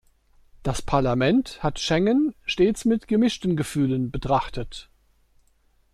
Das Parlament hat Schengen stets mit gemischten Gefühlen betrachtet.